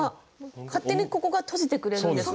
勝手にここが閉じてくれるんですね。